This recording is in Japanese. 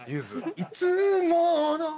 「いつもの」